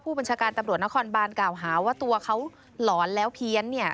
บัญชาการตำรวจนครบานกล่าวหาว่าตัวเขาหลอนแล้วเพี้ยนเนี่ย